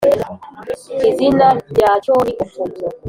izina ryacyoni opopo